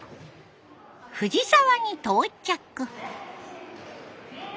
藤沢に到着。